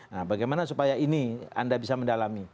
nah bagaimana supaya ini anda bisa mendalami